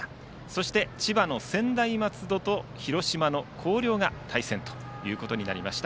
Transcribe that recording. そして、千葉の専大松戸と広島の広陵が対戦となりました